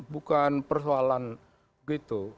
bukan persoalan begitu